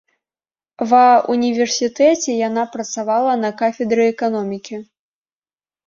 Ва універсітэце яна працавала на кафедры эканомікі.